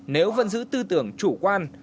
nếu vẫn giữ tư tưởng chủ quan